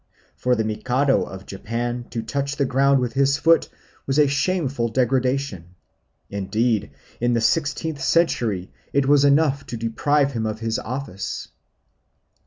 For the Mikado of Japan to touch the ground with his foot was a shameful degradation; indeed, in the sixteenth century, it was enough to deprive him of his office.